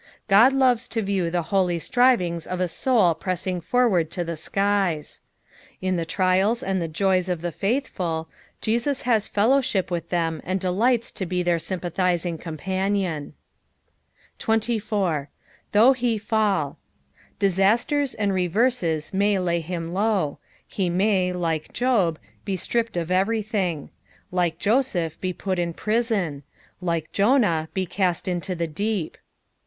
God loves to view the holy strivings of a soul pressing forward to tbe ■kies. In the trials and the joys of the faithful, Jesus bos fellowship with theno, and delights to be their sympathising companion. a. "Thov{/h hefaU." Disasters and reverees may lay him low; he rnnj. PSAUC THB THIBTY SBVKNTH. 195 like Job, be stripped or everything ; like Josepb, be put in prison ; like Jonab, be caM, into tbe deep.